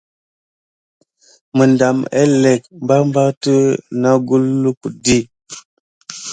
Məɗam héhélèk barbar té naku lukudi.